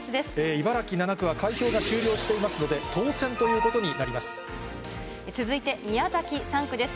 茨城７区は開票が終了していますので、当選ということになります。